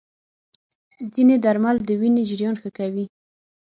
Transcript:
ځینې درمل د وینې جریان ښه کوي.